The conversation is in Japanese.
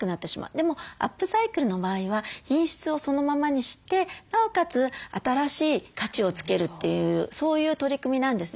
でもアップサイクルの場合は品質をそのままにしてなおかつ新しい価値を付けるというそういう取り組みなんですね。